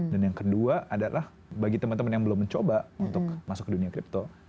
yang kedua adalah bagi teman teman yang belum mencoba untuk masuk ke dunia crypto